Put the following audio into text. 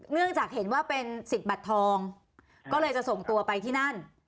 เนื่องจากเห็นว่าเป็นสิทธิ์บัตรทองก็เลยจะส่งตัวไปที่นั่น